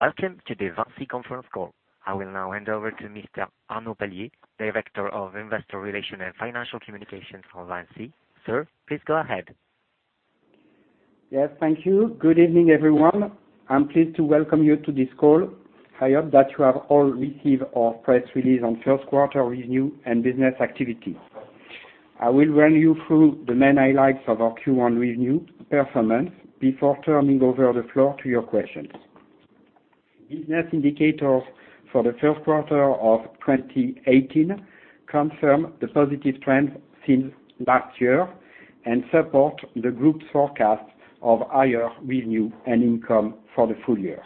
Welcome to the VINCI conference call. I will now hand over to Mr. Arnaud Palliez, Director of Investor Relations and Financial Communications for VINCI. Sir, please go ahead. Yes, thank you. Good evening, everyone. I'm pleased to welcome you to this call. I hope that you have all received our press release on first quarter review and business activity. I will run you through the main highlights of our Q1 review performance before turning over the floor to your questions. Business indicators for the first quarter of 2018 confirm the positive trend since last year and support the group's forecast of higher revenue and income for the full year.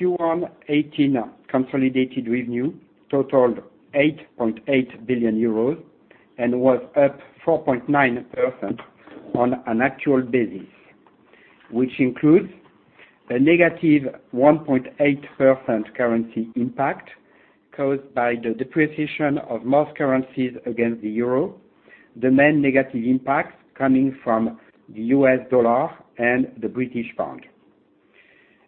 Q1 2018 consolidated revenue totaled 8.8 billion euros and was up 4.9% on an actual basis, which includes a negative 1.8% currency impact caused by the depreciation of most currencies against the euro. The main negative impacts coming from the U.S. dollar and the British pound.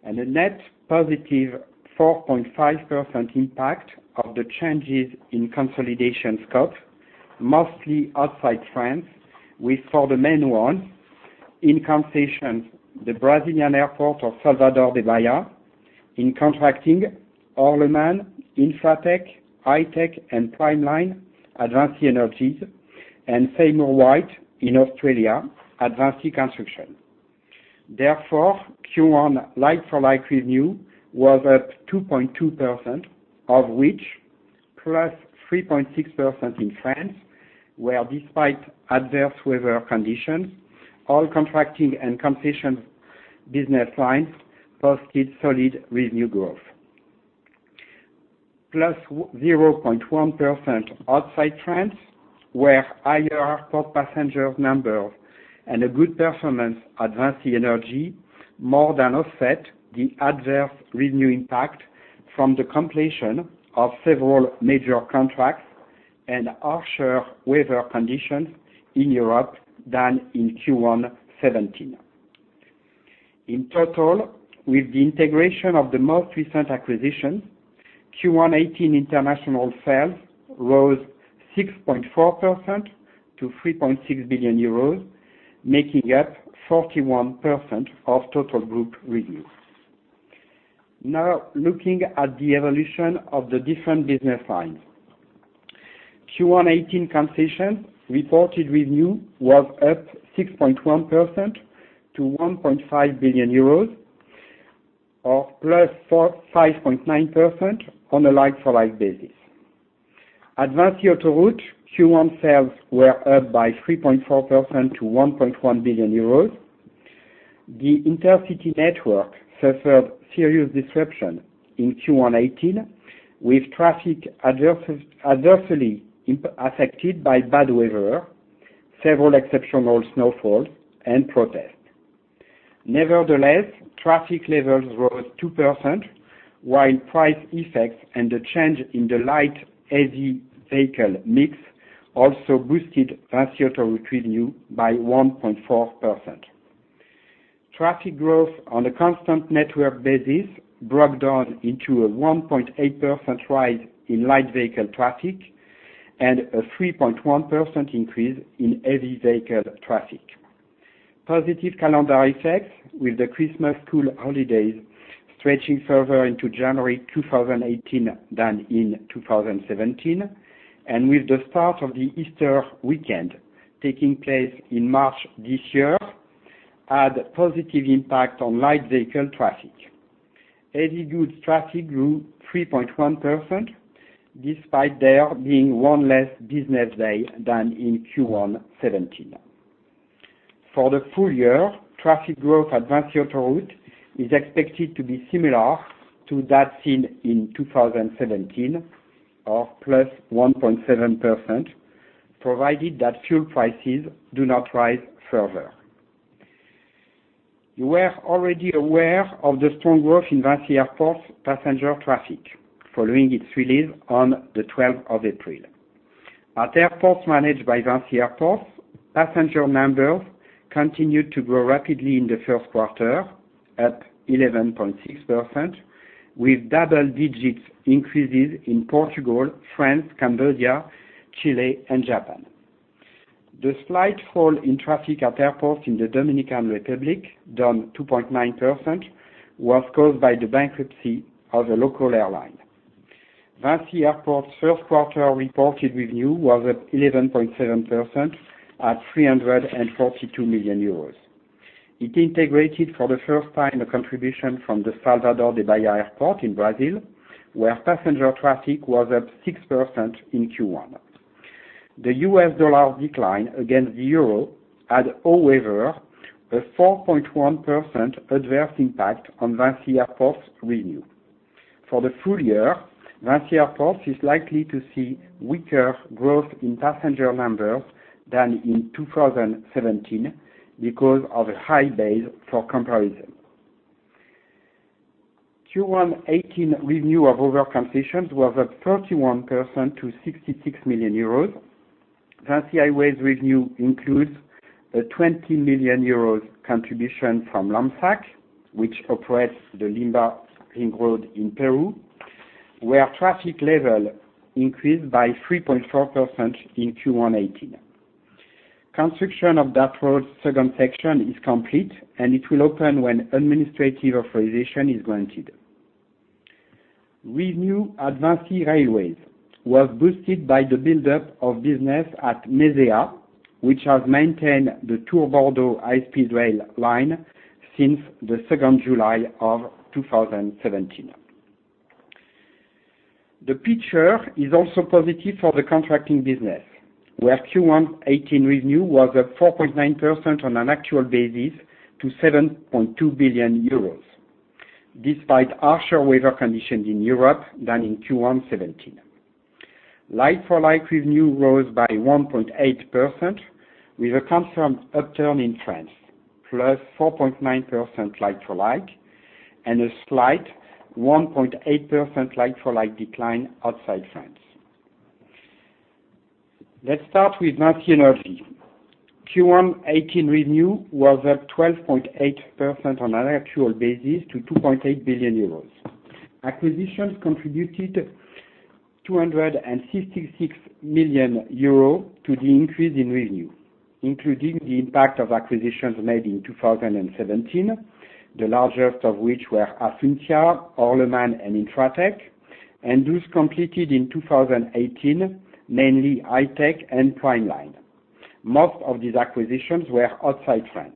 A net positive 4.5% impact of the changes in consolidation scope, mostly outside France. We saw the main one in concession, the Brazilian airport of Salvador de Bahia, in contracting, Horlemann, Infratek, I-Tech and PrimeLine, VINCI Energies, and Seymour Whyte in Australia, VINCI Construction. Therefore, Q1 like-for-like review was at 2.2%, of which plus 3.6% in France, where despite adverse weather conditions, all contracting and concession business lines posted solid revenue growth. Plus 0.1% outside France, where higher top passenger numbers and a good performance at VINCI Energies more than offset the adverse revenue impact from the completion of several major contracts and harsher weather conditions in Europe than in Q1 2017. In total, with the integration of the most recent acquisitions, Q1 2018 international sales rose 6.4% to 3.6 billion euros, making up 41% of total group review. Looking at the evolution of the different business lines. Q1 2018 concession reported review was up 6.1% to 1.5 billion euros or plus 5.9% on a like-for-like basis. VINCI Autoroutes Q1 sales were up by 3.4% to 1.1 billion euros. The Intercity network suffered serious disruption in Q1 2018, with traffic adversely affected by bad weather, several exceptional snowfalls, and protests. Traffic levels rose 2%, while price effects and the change in the light EV vehicle mix also boosted VINCI Autoroutes review by 1.4%. Traffic growth on a constant network basis broke down into a 1.8% rise in light vehicle traffic and a 3.1% increase in heavy vehicle traffic. Positive calendar effects with the Christmas school holidays stretching further into January 2018 than in 2017, and with the start of the Easter weekend taking place in March this year, had positive impact on light vehicle traffic. Heavy goods traffic grew 3.1%, despite there being one less business day than in Q1 2017. For the full year, traffic growth at VINCI Autoroutes is expected to be similar to that seen in 2017 or +1.7%, provided that fuel prices do not rise further. You were already aware of the strong growth in VINCI Airports passenger traffic following its release on the 12th of April. At airports managed by VINCI Airports, passenger numbers continued to grow rapidly in the first quarter, up 11.6%, with double digits increases in Portugal, France, Cambodia, Chile and Japan. The slight fall in traffic at airports in the Dominican Republic, down 2.9%, was caused by the bankruptcy of a local airline. VINCI Airports' first quarter reported revenue was up 11.7% at 342 million euros. It integrated for the first time a contribution from the Salvador de Bahia Airport in Brazil, where passenger traffic was up 6% in Q1. The U.S. dollar decline against the euro had, however, a 4.1% adverse impact on VINCI Airports' revenue. For the full year, VINCI Airports is likely to see weaker growth in passenger numbers than in 2017 because of a high base for comparison. Q1 2018 revenue of other concessions was up 31% to 66 million euros. VINCI Highways revenue includes a 20 million euros contribution from LAMSAC, which operates the Línea Amarilla toll road in Peru, where traffic level increased by 3.4% in Q1 2018. Construction of that road's second section is complete, and it will open when administrative authorization is granted. Revenue at VINCI Railways was boosted by the buildup of business at MESEA, which has maintained the Tours-Bordeaux high-speed rail line since the 2nd July of 2017. The picture is also positive for the contracting business, where Q1 2018 revenue was up 4.9% on an actual basis to 7.2 billion euros, despite harsher weather conditions in Europe than in Q1 2017. Like-for-like revenue rose by 1.8%, with a confirmed upturn in France, +4.9% like-for-like, and a slight 1.8% like-for-like decline outside France. Let's start with VINCI Energies. Q1 2018 revenue was up 12.8% on an actual basis to 2.8 billion euros. Acquisitions contributed 266 million euros to the increase in revenue, including the impact of acquisitions made in 2017, the largest of which were Acuntia, Orlemans, and Infratek, and those completed in 2018, mainly I-Tech and PrimeLine. Most of these acquisitions were outside France.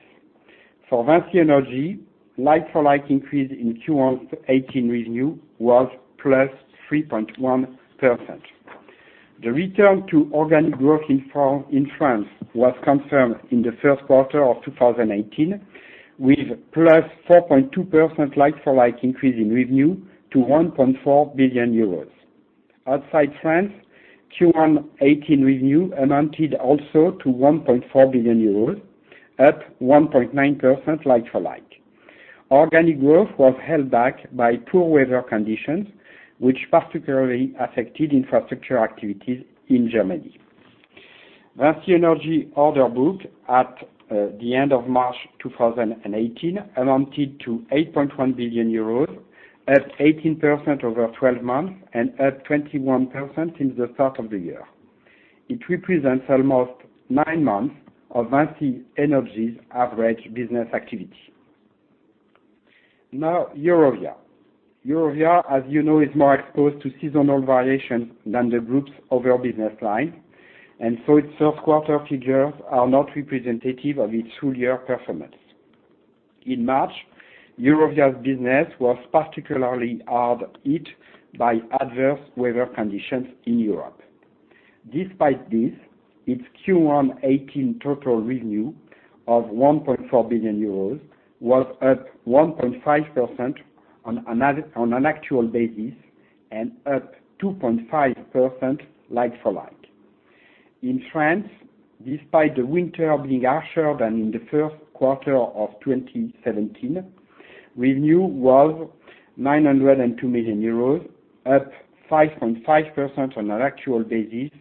For VINCI Energies, like-for-like increase in Q1 2018 revenue was +3.1%. The return to organic growth in France was confirmed in the first quarter of 2018, with +4.2% like-for-like increase in revenue to 1.4 billion euros. Outside France, Q1 2018 revenue amounted also to 1.4 billion euros, up 1.9% like-for-like. Organic growth was held back by poor weather conditions, which particularly affected infrastructure activities in Germany. VINCI Energies order book at the end of March 2018 amounted to 8.1 billion euros, up 18% over 12 months and up 21% since the start of the year. It represents almost nine months of VINCI Energies' average business activity. Now Eurovia. Eurovia, as you know, is more exposed to seasonal variation than the groups of their business line, and so its first quarter figures are not representative of its full year performance. In March, Eurovia's business was particularly hard hit by adverse weather conditions in Europe. Despite this, its Q1 2018 total revenue of 1.4 billion euros was up 1.5% on an actual basis and up 2.5% like-for-like. In France, despite the winter being harsher than in the first quarter of 2017, revenue was 902 million euros, up 5.5% on an actual basis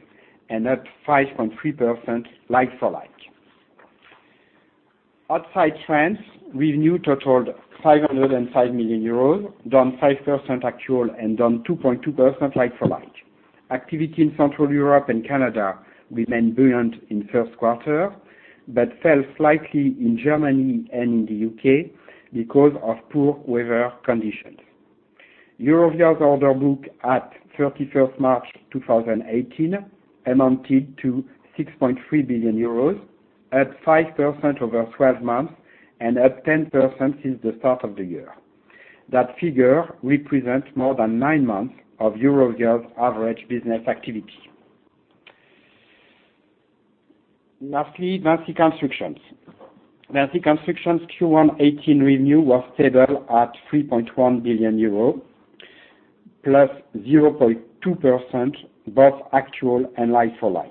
and up 5.3% like-for-like. Outside France, revenue totaled 505 million euros, down 5% actual and down 2.2% like-for-like. Activity in Central Europe and Canada remained buoyant in first quarter, but fell slightly in Germany and in the U.K. because of poor weather conditions. Eurovia's order book at 31st March 2018 amounted to 6.3 billion euros, up 5% over 12 months and up 10% since the start of the year. That figure represents more than nine months of Eurovia's average business activity. Lastly, VINCI Construction. VINCI Construction's Q1 2018 revenue was stable at 3.1 billion euro, plus 0.2% both actual and like-for-like.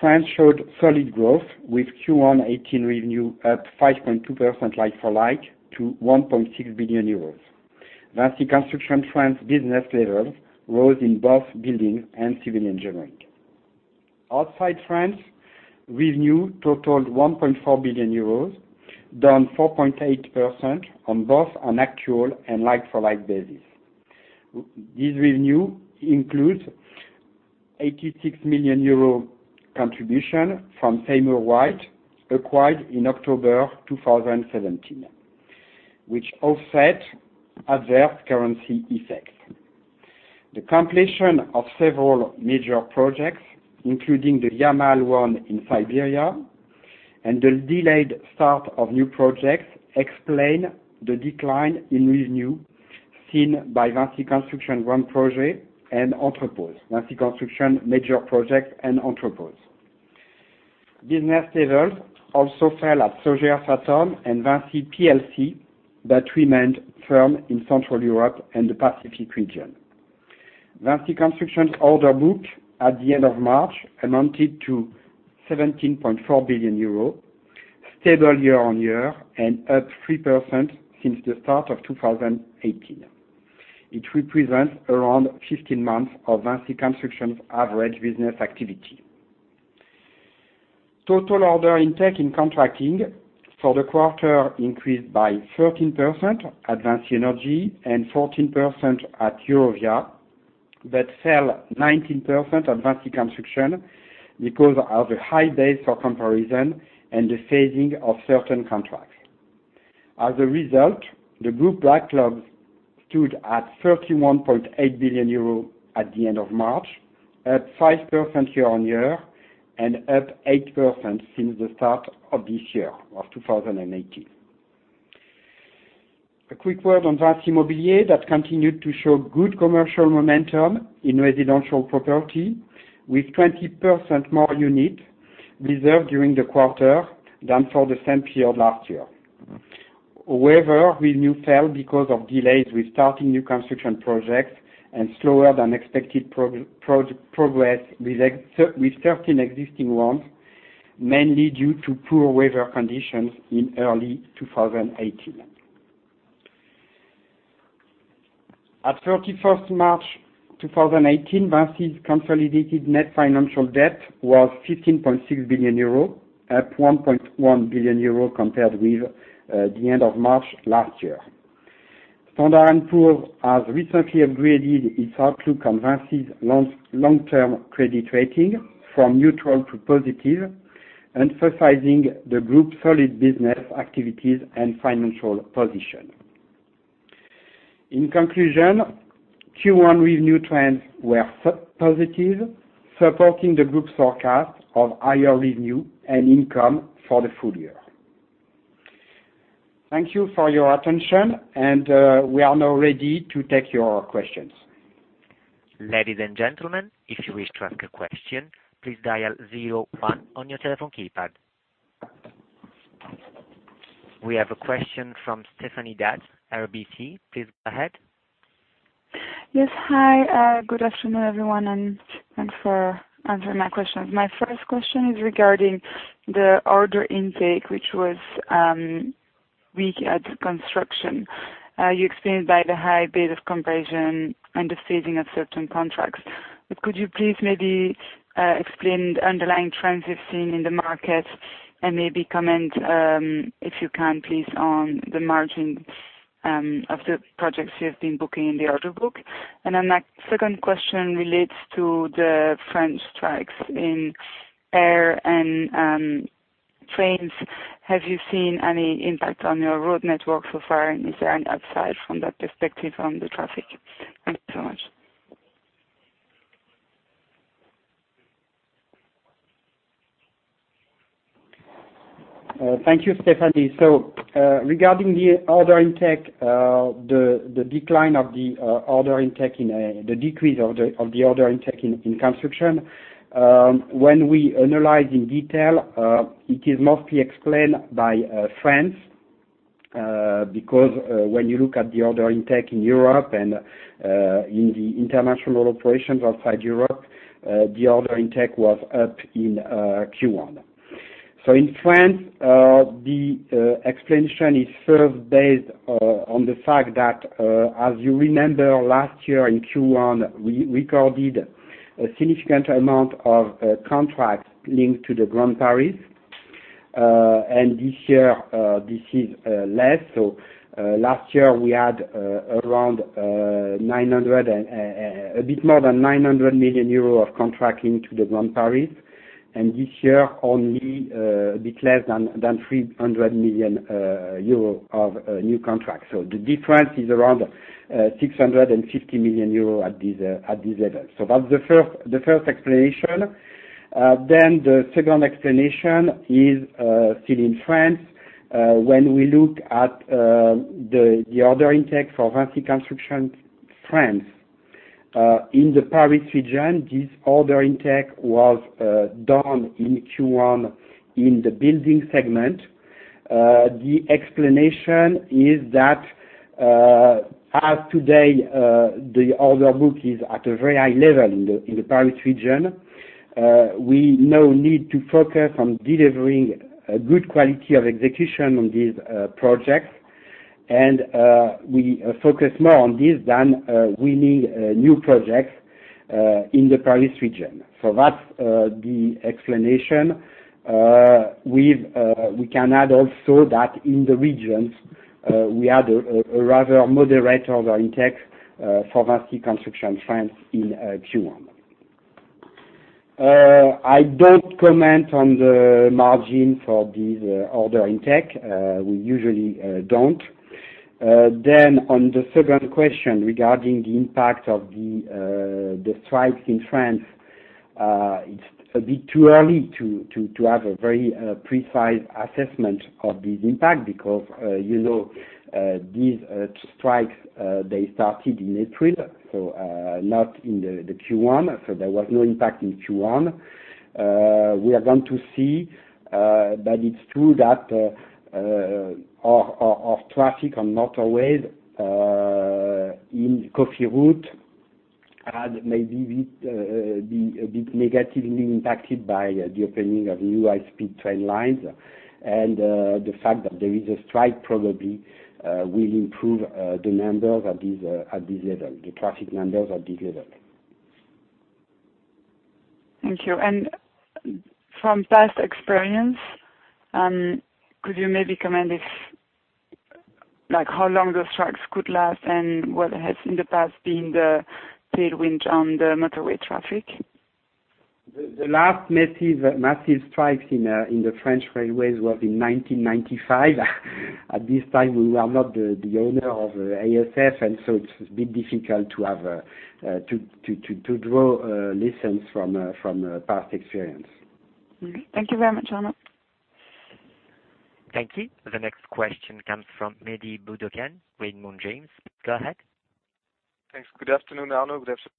France showed solid growth with Q1 2018 revenue up 5.2% like-for-like to EUR 1.6 billion. VINCI Construction France business levels rose in both building and civil engineering. Outside France, revenue totaled 1.4 billion euros, down 4.8% on both an actual and like-for-like basis. This revenue includes 86 million euro contribution from Seymour Whyte, acquired in October 2017, which offset adverse currency effects. The completion of several major projects, including the Yamal 1 in Siberia, and the delayed start of new projects explain the decline in revenue seen by VINCI Construction Grands Projets and Entrepose. VINCI Construction Grands Projets and Entrepose. Business levels also fell at Sogea-Satom and VINCI PLC, but remained firm in Central Europe and the Pacific region. VINCI Construction order book at the end of March amounted to 17.4 billion euros, stable year-on-year and up 3% since the start of 2018. It represents around 15 months of VINCI Construction's average business activity. Total order intake in contracting for the quarter increased by 13% at VINCI Energies and 14% at Eurovia, but fell 19% at VINCI Construction because of the high base for comparison and the phasing of certain contracts. As a result, the group backlogs stood at 31.8 billion euros at the end of March, up 5% year-on-year and up 8% since the start of this year of 2018. A quick word on VINCI Immobilier that continued to show good commercial momentum in residential property with 20% more units reserved during the quarter than for the same period last year. However, revenue fell because of delays with starting new construction projects and slower than expected progress with certain existing ones, mainly due to poor weather conditions in early 2018. At 31st March 2018, VINCI's consolidated net financial debt was 15.6 billion euro, up 1.1 billion euro compared with the end of March last year. Standard & Poor's has recently upgraded its outlook on VINCI's long-term credit rating from neutral to positive, emphasizing the group's solid business activities and financial position. In conclusion, Q1 revenue trends were positive, supporting the group's forecast of higher revenue and income for the full year. Thank you for your attention, and we are now ready to take your questions. Ladies and gentlemen, if you wish to ask a question, please dial zero one on your telephone keypad. We have a question from Stéphanie D'Ath, RBC. Please go ahead. Yes. Hi. Good afternoon, everyone, thanks for answering my questions. My first question is regarding the order intake, which was weak at construction. You explained by the high base of comparison and the phasing of certain contracts. Could you please maybe explain the underlying trends you're seeing in the market and maybe comment, if you can, please, on the margin of the projects you have been booking in the order book? My second question relates to the French strikes in air and trains. Have you seen any impact on your road network so far? Is there an upside from that perspective on the traffic? Thank you so much. Thank you, Stéphanie. Regarding the decline of the order intake in construction, when we analyze in detail, it is mostly explained by France, because when you look at the order intake in Europe and in the international operations outside Europe, the order intake was up in Q1. In France, the explanation is first based on the fact that, as you remember, last year in Q1, we recorded a significant amount of contracts linked to the Grand Paris. This year, this is less so. Last year, we had a bit more than 900 million euros of contract linked to the Grand Paris, this year only a bit less than 300 million euro of new contracts. The difference is around 650 million euro at this level. That's the first explanation. The second explanation is still in France. When we look at the order intake for VINCI Construction France, in the Paris region, this order intake was done in Q1 in the building segment. The explanation is that as today, the order book is at a very high level in the Paris region. We now need to focus on delivering a good quality of execution on these projects, and we focus more on this than winning new projects in the Paris region. That's the explanation. We can add also that in the regions, we had a rather moderate order intake for VINCI Construction France in Q1. I don't comment on the margin for this order intake. We usually don't. On the second question regarding the impact of the strikes in France, it's a bit too early to have a very precise assessment of this impact because these strikes, they started in April, so not in the Q1, so there was no impact in Q1. We are going to see that it's true that our traffic on motorway in Cofiroute Had maybe be a bit negatively impacted by the opening of new high-speed train lines, and the fact that there is a strike probably will improve the numbers at this level, the traffic numbers at this level. Thank you. From past experience, could you maybe comment how long the strikes could last and what has in the past been the tailwind on the motorway traffic? The last massive strikes in the French railways was in 1995. At this time, we were not the owner of ASF, it's a bit difficult to draw lessons from past experience. Thank you very much, Arnaud. Thank you. The next question comes from Mehdi Boudoukhane with Morgan James. Go ahead. Thanks. Good afternoon, Arnaud. Good after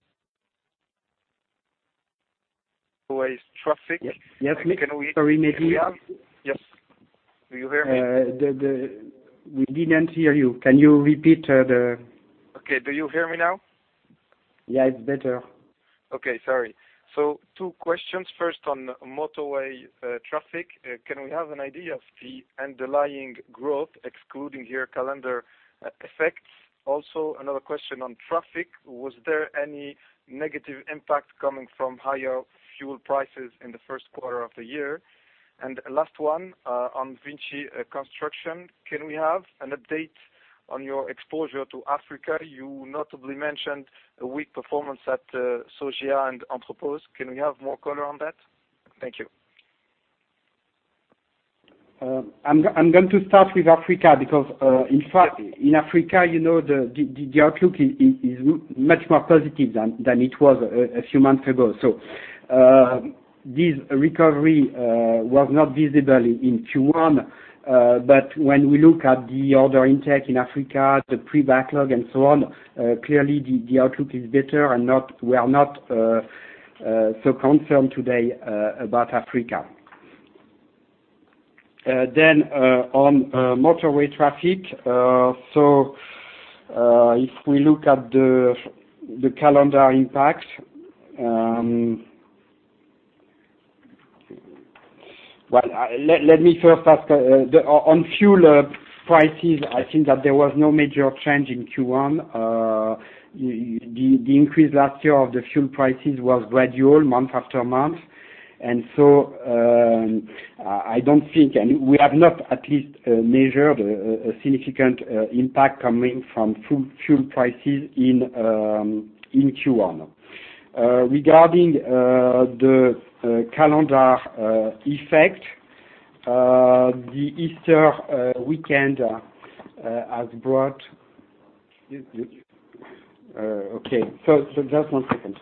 motorway traffic. Yes, Mehdi. Sorry, Mehdi. Yes. Do you hear me? We didn't hear you. Can you repeat Okay. Do you hear me now? Yeah, it's better. Okay, sorry. Two questions. First, on motorway traffic, can we have an idea of the underlying growth excluding your calendar effects? Another question on traffic. Was there any negative impact coming from higher fuel prices in the first quarter of the year? Last one, on VINCI Construction, can we have an update on your exposure to Africa? You notably mentioned a weak performance at Sogea-Satom and Entrepose. Can we have more color on that? Thank you. I'm going to start with Africa because, in fact, in Africa the outlook is much more positive than it was a few months ago. This recovery was not visible in Q1, but when we look at the order intake in Africa, the pre-backlog, and so on, clearly the outlook is better, and we are not so concerned today about Africa. On motorway traffic. If we look at the calendar impact Well, let me first ask, on fuel prices, I think that there was no major change in Q1. The increase last year of the fuel prices was gradual, month after month. I don't think We have not, at least, measured a significant impact coming from fuel prices in Q1. Regarding the calendar effect, the Easter weekend has brought Okay. Just one second.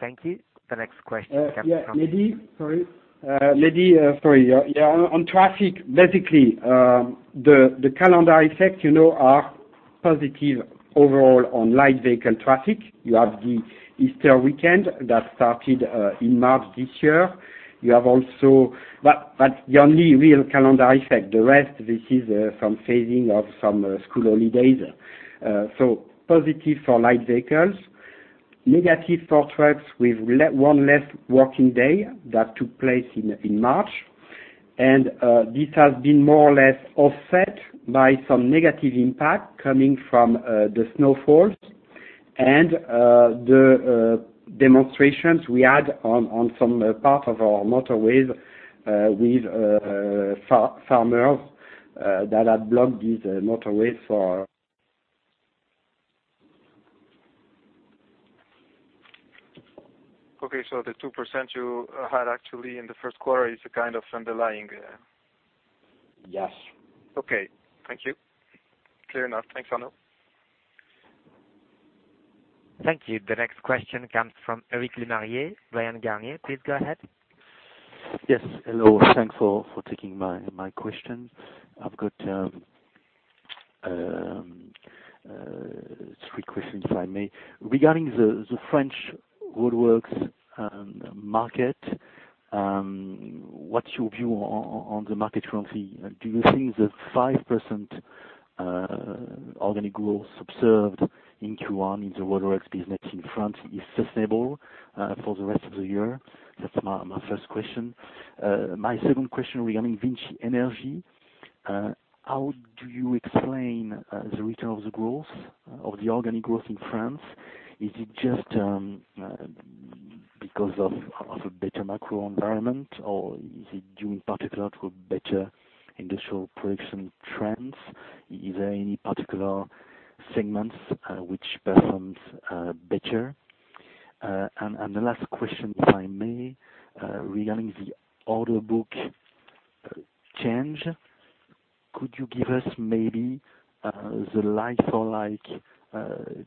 Thank you. The next question comes from- Mehdi. Sorry. Mehdi, sorry. On traffic, basically, the calendar effect are positive overall on light vehicle traffic. You have the Easter weekend that started in March this year. The only real calendar effect, the rest, this is some phasing of some school holidays. Positive for light vehicles. Negative for trucks with one less working day that took place in March. This has been more or less offset by some negative impact coming from the snowfalls and the demonstrations we had on some parts of our motorways with farmers that had blocked these motorways for Okay. The 2% you had actually in the first quarter is kind of underlying. Yes. Okay. Thank you. Clear enough. Thanks, Arnaud. Thank you. The next question comes from Eric Le Berrigaud, Bryan Garnier. Please go ahead. Yes. Hello. Thanks for taking my question. I've got three questions if I may. Regarding the French roadworks market, what's your view on the market currency? Do you think the 5% organic growth observed in Q1 in the roadworks business in France is sustainable for the rest of the year? That's my first question. My second question regarding VINCI Energies. How do you explain the return of the growth of the organic growth in France? Is it just because of a better macro environment, or is it due in particular to better industrial production trends? Is there any particular segments which performs better? The last question, if I may, regarding the order book change. Could you give us maybe the like-for-like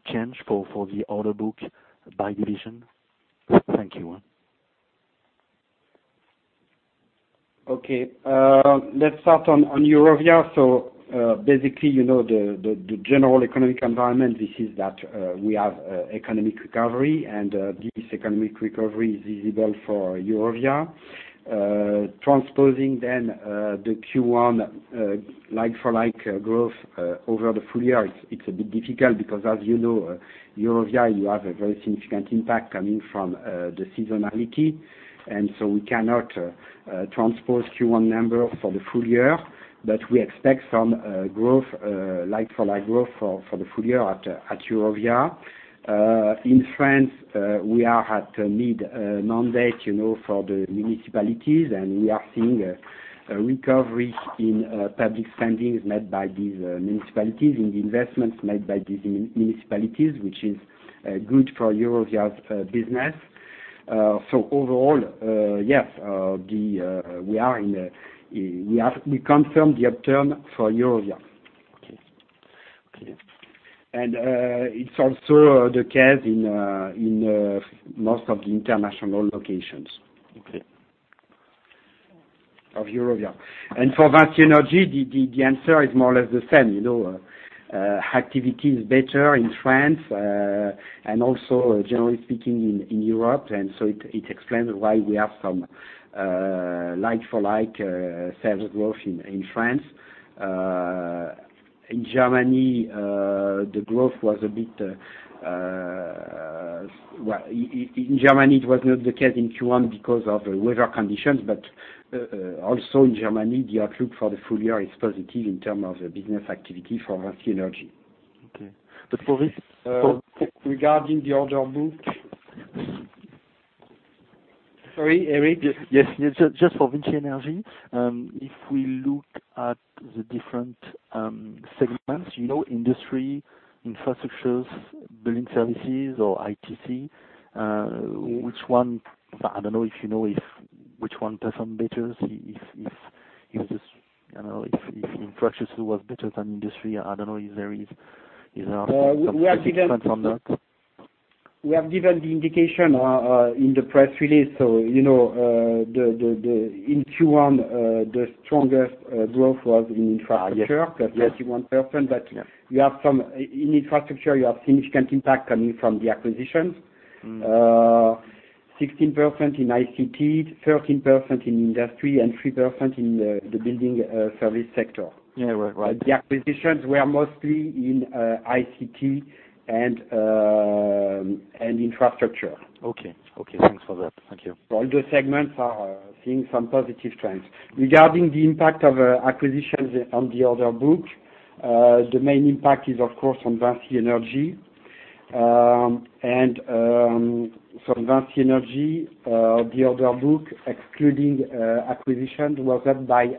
change for the order book by division? Thank you. Okay. Let's start on Eurovia. Basically, the general economic environment is that we have economic recovery, and this economic recovery is visible for Eurovia. Transposing the Q1 like-for-like growth over the full year, it's a bit difficult because as you know, Eurovia, you have a very significant impact coming from the seasonality. We cannot transpose Q1 number for the full year, but we expect some like-for-like growth for the full year at Eurovia. In France, we are at mid mandate for the municipalities, and we are seeing a recovery in public spendings made by these municipalities, in the investments made by these municipalities, which is good for Eurovia's business. Overall, yes, we confirm the upturn for Eurovia. Okay. It is also the case in most of the international locations. Okay. Of Eurovia. For VINCI Energies, the answer is more or less the same. Activity is better in France, also generally speaking in Europe, so it explains why we have some like-for-like sales growth in France. In Germany, it was not the case in Q1 because of the weather conditions. Also in Germany, the outlook for the full year is positive in terms of the business activity for VINCI Energies. Okay. Regarding the order book. Sorry, Eric? Yes. Just for VINCI Energies. If we look at the different segments, Industry, Infrastructures, Building Services or ICT, which one, I don't know if you know, which one does some better, if Infrastructures was better than Industry? I don't know if there are some specific trends on that. We have given the indication in the press release. In Q1, the strongest growth was in infrastructure- Yes Plus 31%, in Infrastructures, you have significant impact coming from the acquisitions. 16% in ICT, 13% in Industry, and 3% in the Building Services sector. Yeah. Right. The acquisitions were mostly in ICT and infrastructure. Okay. Thanks for that. Thank you. All the segments are seeing some positive trends. Regarding the impact of acquisitions on the order book, the main impact is, of course, on VINCI Energies. From VINCI Energies, the order book, excluding acquisition, was up by 6%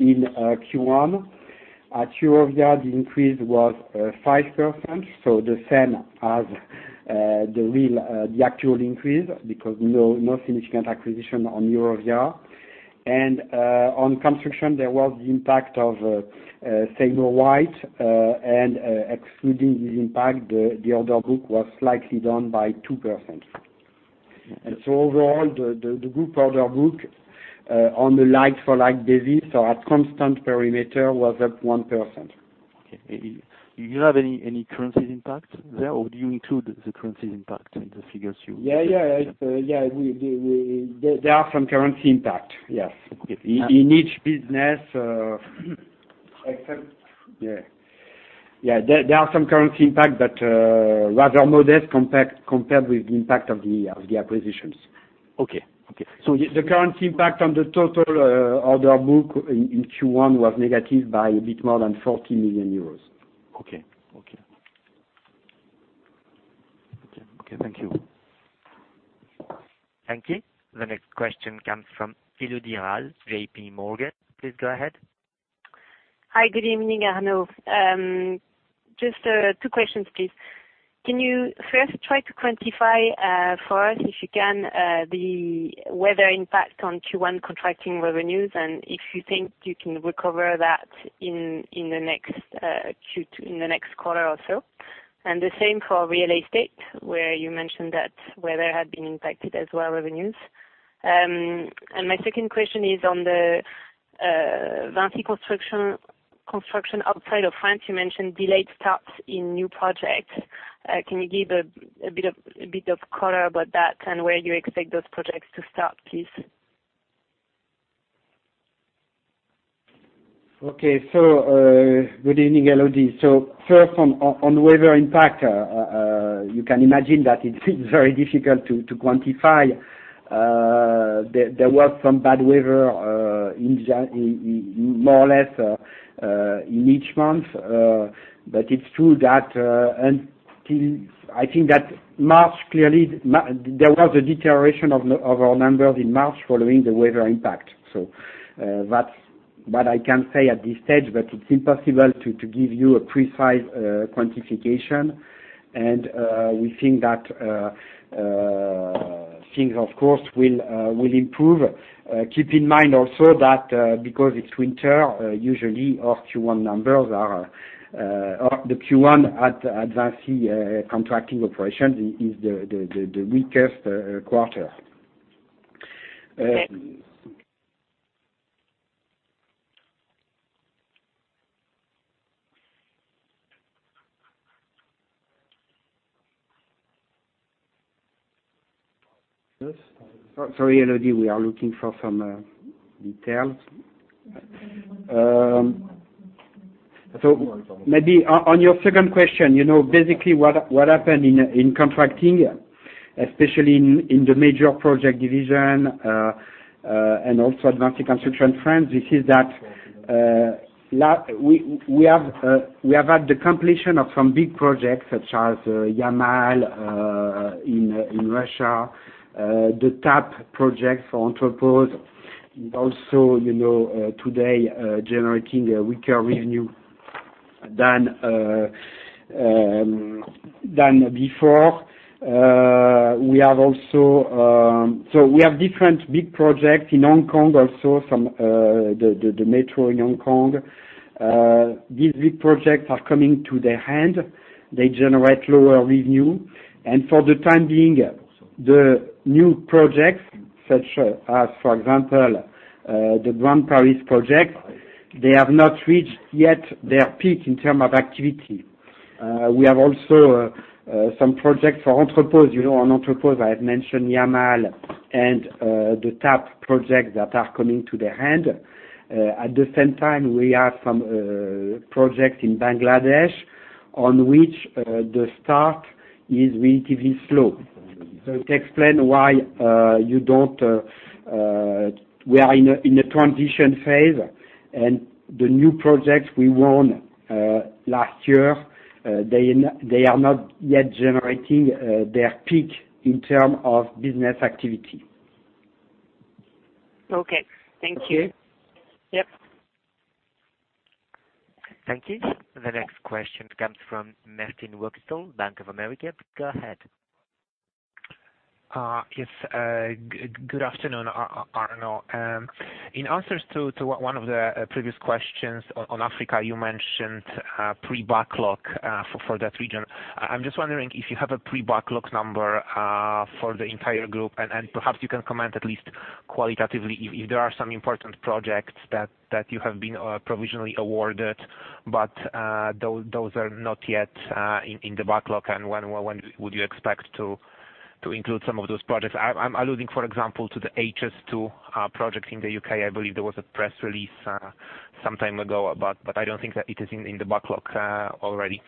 in Q1. At Eurovia, the increase was 5%, so the same as the actual increase because no significant acquisition on Eurovia. On construction, there was the impact of Seymour Whyte, and excluding this impact, the order book was slightly down by 2%. Overall, the group order book on the like-for-like basis or at constant perimeter was up 1%. Okay. Do you have any currency impact there, or do you include the currency impact in the figures? Yeah. There are some currency impact, yes. Okay. In each business, there are some currency impact, but rather modest compared with the impact of the acquisitions. Okay. The currency impact on the total order book in Q1 was negative by a bit more than 40 million euros. Okay. Thank you. Thank you. The next question comes from Elodie Rall, JPMorgan. Please go ahead. Hi. Good evening, Arnaud. Just two questions, please. Can you first try to quantify for us, if you can, the weather impact on Q1 contracting revenues, if you think you can recover that in the next quarter or so? The same for real estate, where you mentioned that weather had been impacted as well, revenues. My second question is on the VINCI Construction outside of France. You mentioned delayed starts in new projects. Can you give a bit of color about that and where you expect those projects to start, please? Good evening, Elodie. First on weather impact, you can imagine that it's very difficult to quantify. There was some bad weather more or less in each month. It's true that I think that clearly, there was a deterioration of our numbers in March following the weather impact. That's what I can say at this stage, but it's impossible to give you a precise quantification. We think that things, of course, will improve. Keep in mind also that because it's winter, usually our Q1 numbers. The Q1 at VINCI Contracting operation is the weakest quarter. Okay. Sorry, Elodie, we are looking for some details. Maybe on your second question, basically what happened in contracting, especially in the major project division, and also advanced construction trends, we see that we have had the completion of some big projects such as Yamal in Russia, the TAP project for Entrepose. Also, today, generating a weaker revenue than before. We have different big projects in Hong Kong, also the metro in Hong Kong. These big projects are coming to their end. They generate lower revenue. For the time being, the new projects, such as, for example, the Grand Paris project, they have not reached yet their peak in term of activity. We have also some projects for Entrepose. On Entrepose, I have mentioned Yamal and the TAP project that are coming to their end. we have some projects in Bangladesh on which the start is relatively slow. To explain why we are in a transition phase, and the new projects we won last year, they are not yet generating their peak in terms of business activity. Okay. Thank you. Okay. Yep. Thank you. The next question comes from Marcin Wojtal, Bank of America. Go ahead. Yes. Good afternoon, Arnaud. In answers to one of the previous questions on Africa, you mentioned pre-backlog for that region. I'm just wondering if you have a pre-backlog number for the entire group, and perhaps you can comment at least qualitatively if there are some important projects that you have been provisionally awarded, but those are not yet in the backlog, and when would you expect to include some of those projects? I'm alluding, for example, to the HS2 project in the U.K. I believe there was a press release some time ago, but I don't think that it is in the backlog already.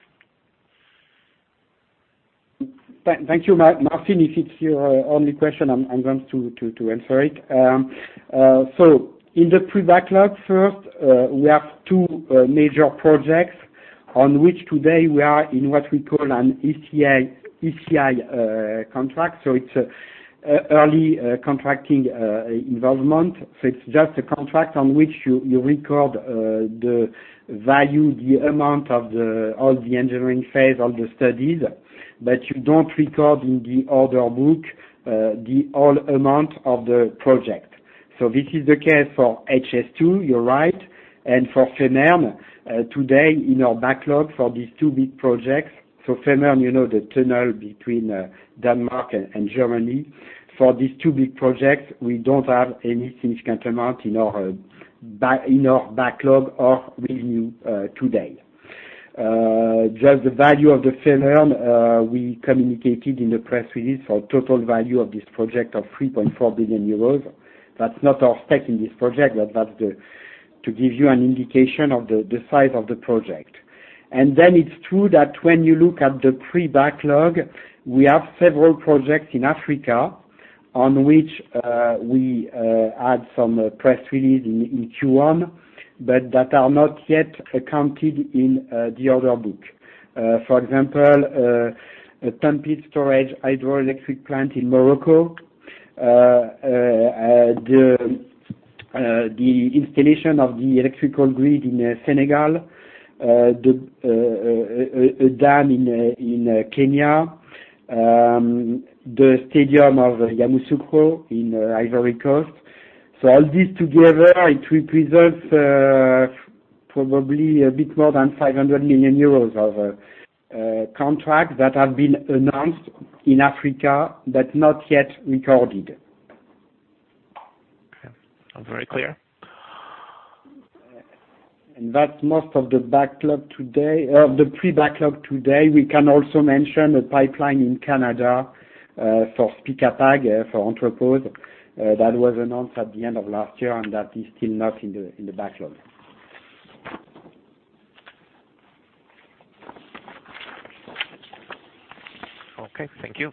Thank you, Marcin. If it's your only question, I'm going to answer it. In the pre-backlog first, we have two major projects on which today we are in what we call an ECI contract. It's early contracting involvement. It's just a contract on which you record the value, the amount of all the engineering phase, all the studies, but you don't record in the order book the whole amount of the project. This is the case for HS2, you're right, and for Fehmarn. Today, in our backlog for these two big projects, so Fehmarn, the tunnel between Denmark and Germany. For these two big projects, we don't have any significant amount in our backlog of revenue today. Just the value of the Fehmarn, we communicated in the press release for total value of this project of 3.4 billion euros. That's not our stake in this project, but that's to give you an indication of the size of the project. It's true that when you look at the pre-backlog, we have several projects in Africa on which we had some press release in Q1, but that are not yet accounted in the order book. For example, Tanafnit storage hydroelectric plant in Morocco, the installation of the electrical grid in Senegal, a dam in Kenya, the stadium of Yamoussoukro in Ivory Coast. All this together, it represents probably a bit more than 500 million euros of contracts that have been announced in Africa, but not yet recorded. Okay. All very clear. That's most of the pre-backlog today. We can also mention a pipeline in Canada for Spiecapag, for Entrepose. That was announced at the end of last year, and that is still not in the backlog. Okay. Thank you.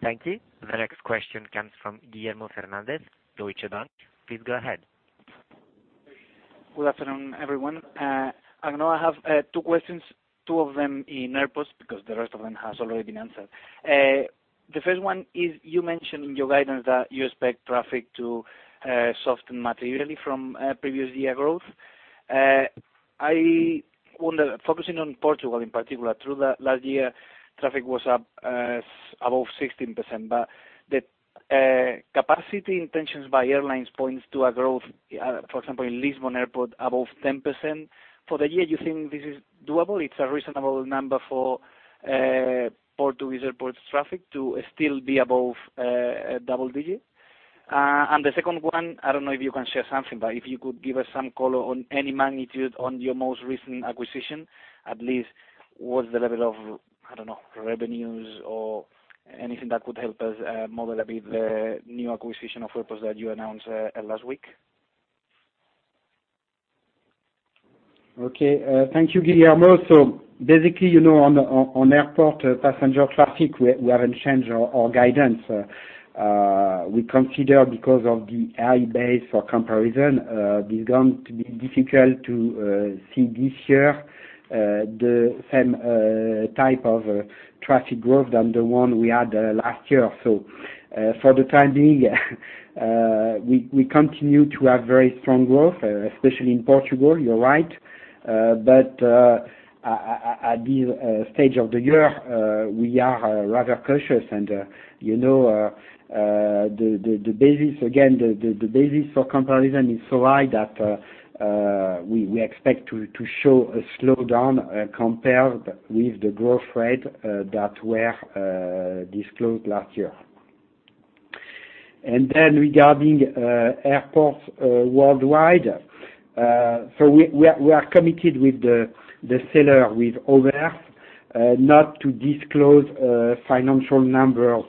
Thank you. The next question comes from Guillermo Fernandez-Gao, Deutsche Bank. Please go ahead. Good afternoon, everyone. Arnaud, I have two questions, two of them in airports, because the rest of them has already been answered. The first one is, you mentioned in your guidance that you expect traffic to soften materially from previous year growth. I wonder, focusing on Portugal in particular, through last year, traffic was up above 16%, but the capacity intentions by airlines points to a growth, for example, in Lisbon Airport above 10%. For the year, you think this is doable? It is a reasonable number for Portuguese airports traffic to still be above double digit? The second one, I don't know if you can share something, but if you could give us some color on any magnitude on your most recent acquisition, at least what is the level of, I don't know, revenues or anything that could help us model a bit the new acquisition of Entrepose that you announced last week. Thank you, Guillermo. Basically, on airport passenger traffic, we haven't changed our guidance. We consider because of the high base for comparison, it's going to be difficult to see this year the same type of traffic growth than the one we had last year. For the time being, we continue to have very strong growth, especially in Portugal, you're right. At this stage of the year, we are rather cautious and the basis for comparison is so high that we expect to show a slowdown compared with the growth rate that were disclosed last year. Regarding airports worldwide, we are committed with the seller, with OMERS, not to disclose financial numbers.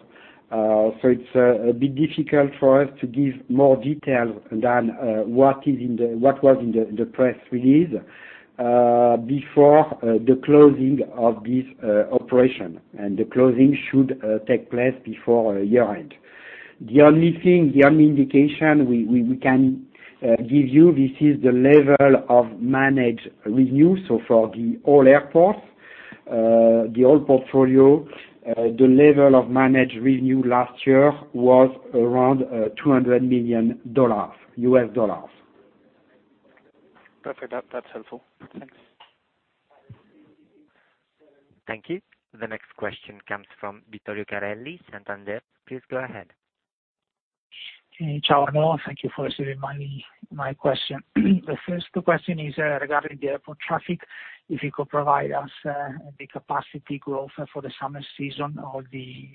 It's a bit difficult for us to give more details than what was in the press release before the closing of this operation. The closing should take place before year-end. The only indication we can give you, this is the level of managed revenue. For the whole airport, the whole portfolio, the level of managed revenue last year was around $200 million. Perfect. That's helpful. Thanks. Thank you. The next question comes from Vittorio Carelli, Santander. Please go ahead. Hey, ciao Arnaud. Thank you for receiving my question. The first question is regarding the airport traffic. If you could provide us the capacity growth for the summer season or the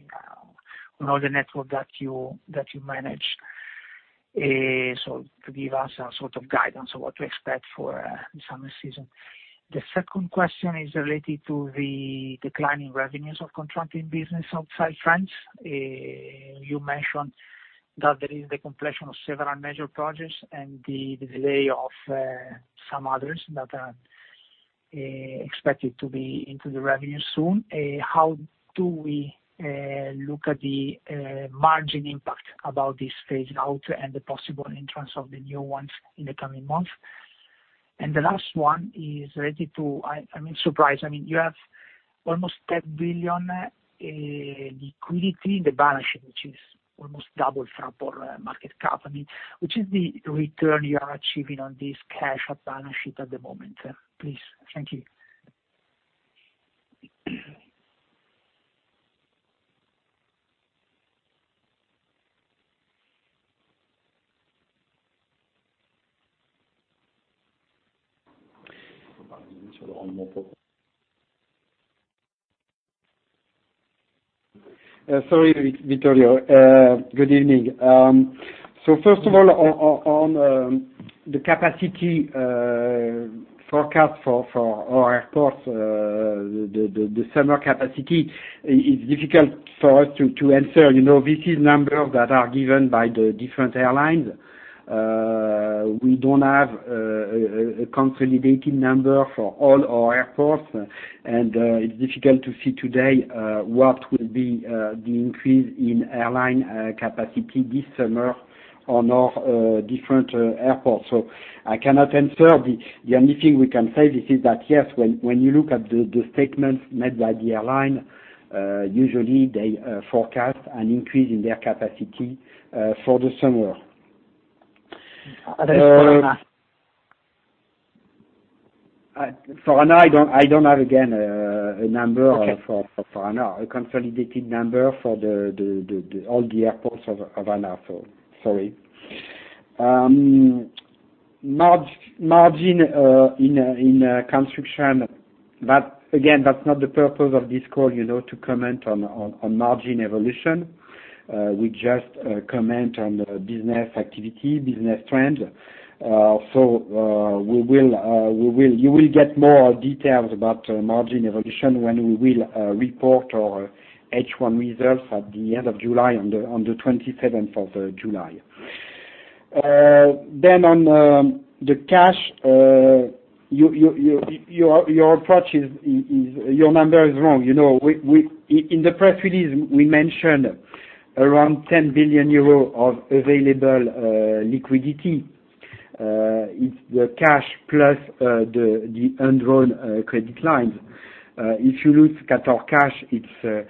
network that you manage. To give us a sort of guidance on what to expect for the summer season. The second question is related to the declining revenues of contracting business outside France. You mentioned that there is the completion of several major projects and the delay of some others that are expected to be into the revenue soon. How do we look at the margin impact about this phase out and the possible entrance of the new ones in the coming months? The last one is, I mean, surprise, you have almost 10 billion liquidity in the balance sheet, which is almost double from our market cap. I mean, which is the return you are achieving on this cash balance sheet at the moment? Please. Thank you. Sorry, Vittorio. Good evening. First of all, on the capacity forecast for our airports, the summer capacity is difficult for us to answer. These are numbers that are given by the different airlines. We don't have a consolidated number for all our airports, and it is difficult to see today what will be the increase in airline capacity this summer on our different airports. I cannot answer. The only thing we can say is that, yes, when you look at the statements made by the airline, usually they forecast an increase in their capacity for the summer. For ANA? For ANA, I don't have, again, a number. Okay For ANA, a consolidated number for all the airports of ANA. Sorry. Margin in construction, again, that's not the purpose of this call to comment on margin evolution. We just comment on the business activity, business trend. You will get more details about margin evolution when we will report our H1 reserves at the end of July, on the 27th of July. On the cash, your number is wrong. In the press release, we mentioned around 10 billion euros of available liquidity. It's the cash plus the undrawn credit lines. If you look at our cash, it's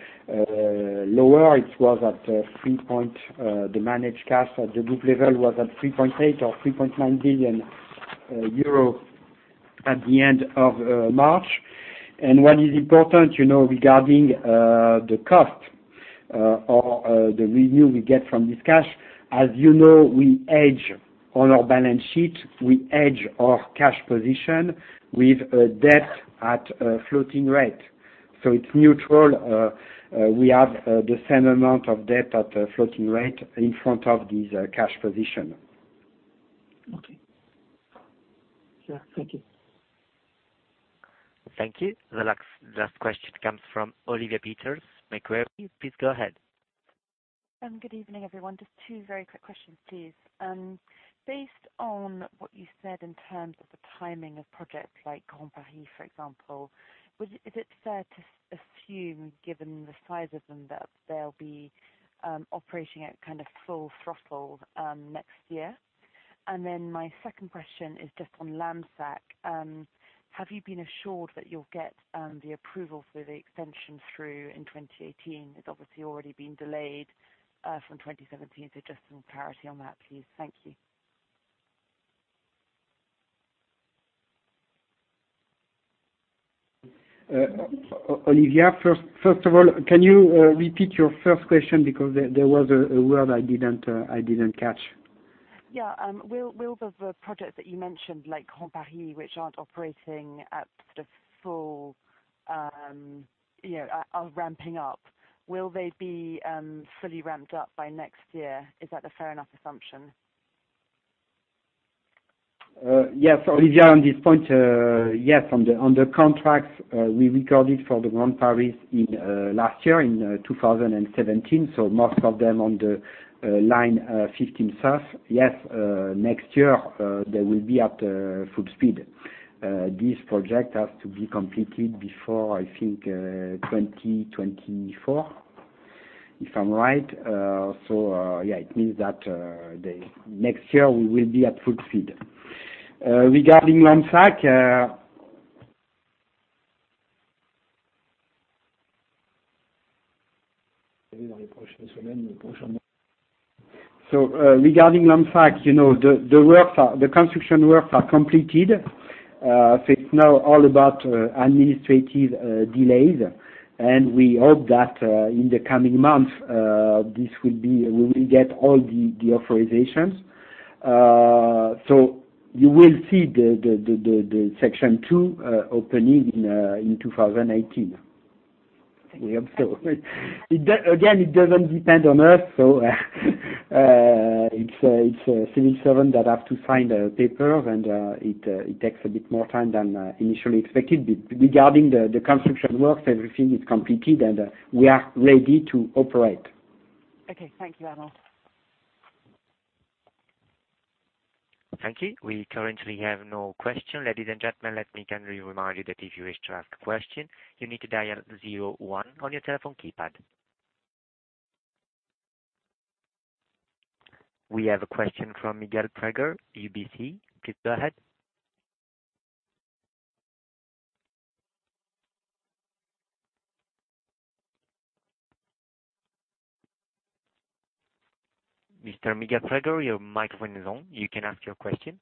lower. The managed cash at the group level was at 3.8 or 3.9 billion euro at the end of March. What is important regarding the cost or the review we get from this cash, as you know, we hedge on our balance sheet, we hedge our cash position with a debt at a floating rate. It's neutral. We have the same amount of debt at a floating rate in front of this cash position. Okay. Yeah, thank you. Thank you. The last question comes from Olivia Peters, Macquarie. Please go ahead. Good evening, everyone. Just two very quick questions, please. Based on what you said in terms of the timing of projects like Grand Paris, for example, is it fair to assume, given the size of them, that they'll be operating at kind of full throttle next year? My second question is just on LAMSAC. Have you been assured that you'll get the approval for the extension through in 2018? It's obviously already been delayed from 2017, just some clarity on that, please. Thank you. Olivia, first of all, can you repeat your first question because there was a word I didn't catch. Yeah. Will the projects that you mentioned, like Grand Paris, which aren't operating at the full, are ramping up. Will they be fully ramped up by next year? Is that a fair enough assumption? Olivia, on this point, on the contracts we recorded for the Grand Paris last year in 2017, most of them on the line 15 South. Next year, they will be at full speed. This project has to be completed before, I think, 2024, if I'm right. Yeah, it means that next year we will be at full speed. Regarding LAMSAC. Regarding LAMSAC, the construction works are completed. It's now all about administrative delays, and we hope that in the coming months, we will get all the authorizations. You will see the section two opening in 2018. We hope so. Again, it doesn't depend on us, it's a civil servant that has to sign a paper, and it takes a bit more time than initially expected. Regarding the construction works, everything is completed, and we are ready to operate. Okay. Thank you, Arnaud. Thank you. We currently have no question. Ladies and gentlemen, let me kindly remind you that if you wish to ask a question, you need to dial zero one on your telephone keypad. We have a question from Miguel Prager, UBS. Please go ahead. Mr. Miguel Prager, your microphone is on. You can ask your question.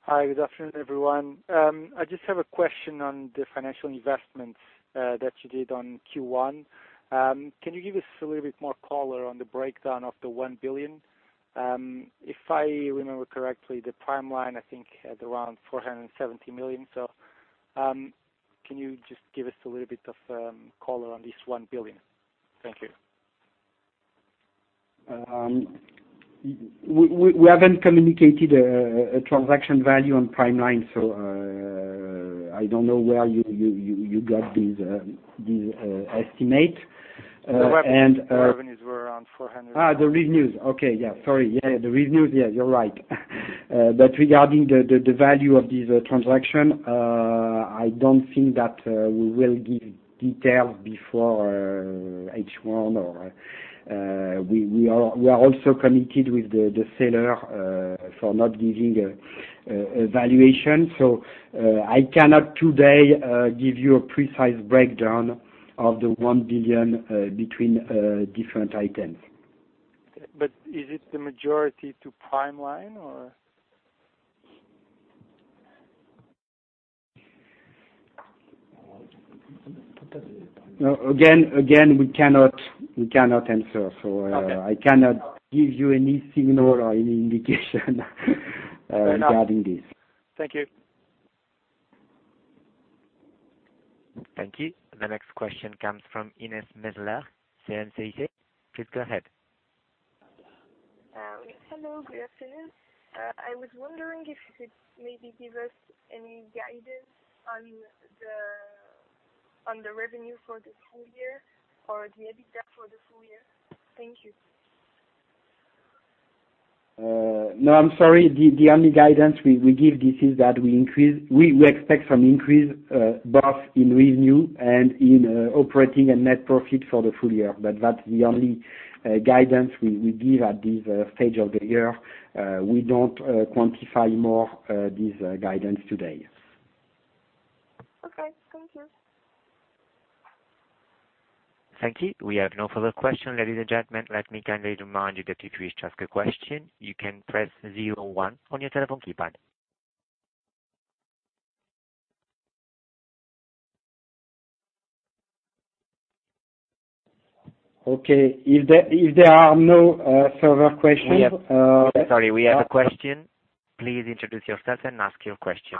Hi, good afternoon, everyone. I just have a question on the financial investments that you did on Q1. Can you give us a little bit more color on the breakdown of the $1 billion? If I remember correctly, the PrimeLine, I think, had around $470 million. Can you just give us a little bit of color on this $1 billion? Thank you. We haven't communicated a transaction value on PrimeLine, so I don't know where you got this estimate. The revenues were around 400. The revenues. Okay. Yeah, sorry. Yeah, the revenues. Yeah, you're right. Regarding the value of this transaction, I don't think that we will give details before H1. We are also committed with the seller for not giving a valuation. I cannot today give you a precise breakdown of the 1 billion between different items. Is it the majority to PrimeLine, or? Again, we cannot answer. Okay. I cannot give you any signal or any indication regarding this. Fair enough. Thank you. Thank you. The next question comes from Ines Metzler, CNCE. Please go ahead. Hello, good afternoon. I was wondering if you could maybe give us any guidance on the revenue for the full year or the EBITDA for the full year. Thank you. No, I'm sorry. The only guidance we give is that we expect some increase both in revenue and in operating and net profit for the full year. That's the only guidance we give at this stage of the year. We don't quantify more this guidance today. Okay. Thank you. Thank you. We have no further questions. Ladies and gentlemen, let me kindly remind you that if you wish to ask a question, you can press zero one on your telephone keypad. Okay. If there are no further questions. Sorry, we have a question. Please introduce yourself and ask your question.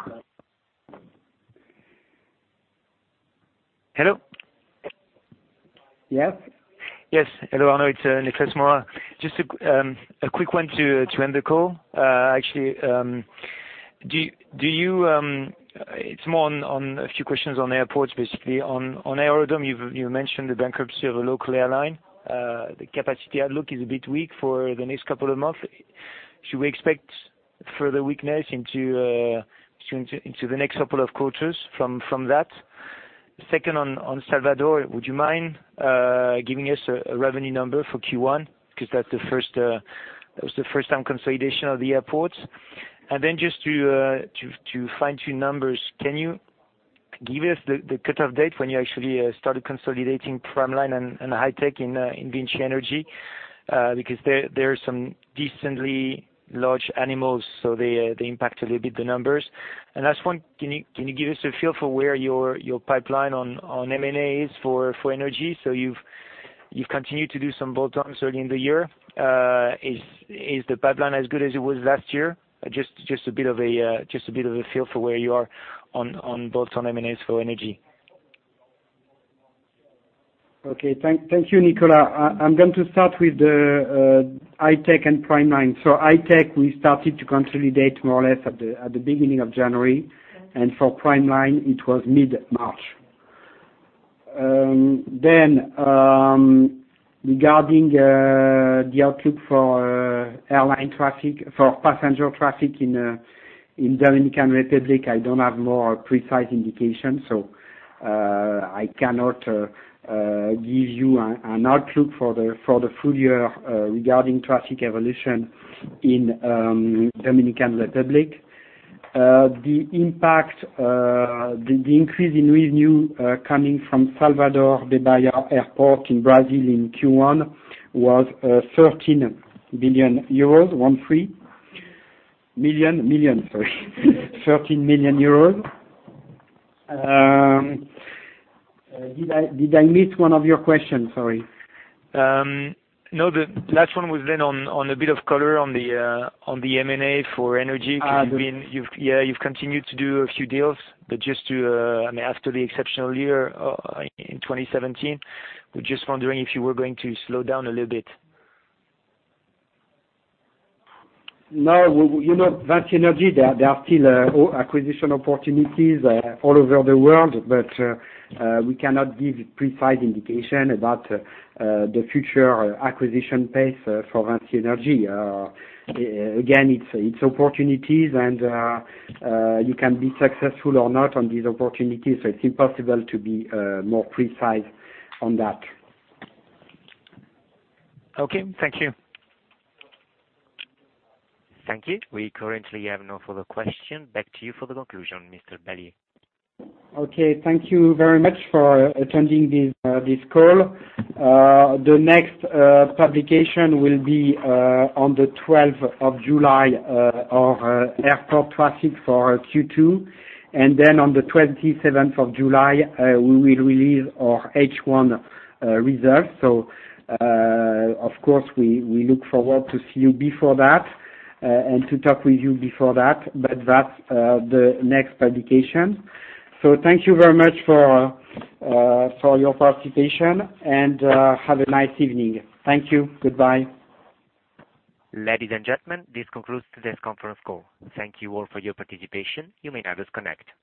Hello? Yes. Yes. Hello, Arnaud. It's Nicolas Mora. Just a quick one to end the call, actually. It's more on a few questions on airports, basically. On Aerodom, you've mentioned the bankruptcy of a local airline. The capacity outlook is a bit weak for the next couple of months. Should we expect further weakness into the next couple of quarters from that? Second, on Salvador, would you mind giving us a revenue number for Q1? Because that was the first time consolidation of the airport. Then just to fine-tune numbers, can you give us the cutoff date when you actually started consolidating PrimeLine and I-Tech in VINCI Energies? Because there are some decently large animals, so they impact a bit the numbers. Last one, can you give us a feel for where your pipeline on M&A is for energy? You've continued to do some bolt-ons early in the year. Is the pipeline as good as it was last year? Just a bit of a feel for where you are on bolt-on M&As for energy. Thank you, Nicolas. I'm going to start with I-Tech and PrimeLine. I-Tech, we started to consolidate more or less at the beginning of January, and for PrimeLine, it was mid-March. Regarding the outlook for airline traffic, for passenger traffic in Dominican Republic, I don't have more precise indication. I cannot give you an outlook for the full year regarding traffic evolution in Dominican Republic. The increase in revenue coming from Salvador de Bahia Airport in Brazil in Q1 was euros 13 million. Did I miss one of your questions? Sorry. No, the last one was on a bit of color on the M&A for energy- Good You've continued to do a few deals, but just after the exceptional year in 2017, we're just wondering if you were going to slow down a little bit. No. VINCI Energies, there are still acquisition opportunities all over the world. We cannot give precise indication about the future acquisition pace for VINCI Energies. Again, it's opportunities, and you can be successful or not on these opportunities. It's impossible to be more precise on that. Okay. Thank you. Thank you. We currently have no further question. Back to you for the conclusion, Mr. Palliez. Okay. Thank you very much for attending this call. The next publication will be on the 12th of July of airport traffic for Q2. On the 27th of July, we will release our H1 results. Of course, we look forward to see you before that and to talk with you before that. That's the next publication. Thank you very much for your participation, and have a nice evening. Thank you. Goodbye. Ladies and gentlemen, this concludes today's conference call. Thank you all for your participation. You may now disconnect.